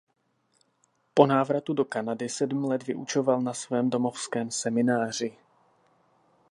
Po návratu do Kanady sedm let vyučoval ve svém domovském semináři.